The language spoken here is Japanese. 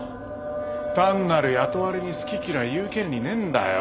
単なる雇われに好き嫌い言う権利ねえんだよ。